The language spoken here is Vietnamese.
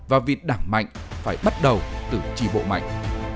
và vị đảng mạnh phải bắt đầu từ trì bộ mạnh